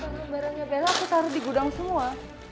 kalau barangnya bella aku taruh di gudang semua